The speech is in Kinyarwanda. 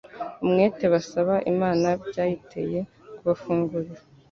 umwete basaba Imana byayiteye kubafungurira